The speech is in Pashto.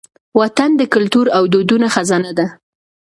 وطن د کلتور او دودونو خزانه ده.